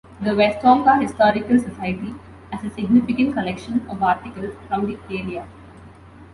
The Westonka Historical Society has a significant collection of articles from the area.